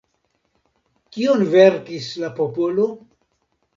Kion verkis la popolo?